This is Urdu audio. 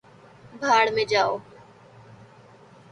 بھاڑ میں جاؤ